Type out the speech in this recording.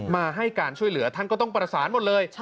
มาให้การช่วยเหลือท่านก็ต้องประสานหมดเลย